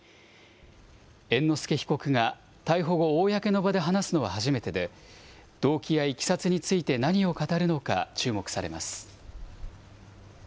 猿之助被告が逮捕後、公の場で話すのは初めてで、動機やいきさつについて何を語るのか、注目されます。